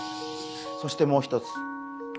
そしてもう一つ。